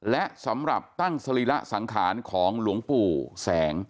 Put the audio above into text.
และสำหรับตั้งสรีระสังขารของหลวงปู่แสง